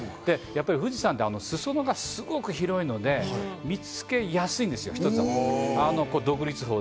富士山って裾野がすごく広いので見つけやすいんですよ。